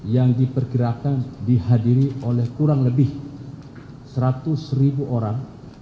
yang diperkirakan dihadiri oleh kurang lebih seratus ribu orang